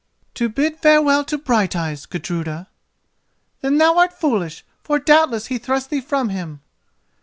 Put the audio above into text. "To bid farewell to Brighteyes, Gudruda." "Then thou art foolish, for doubtless he thrust thee from him."